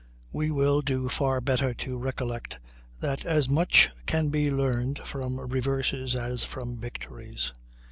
We will do far better to recollect that as much can be learned from reverses as from victories.